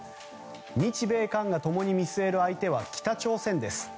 日米韓が共に見据える相手は北朝鮮です。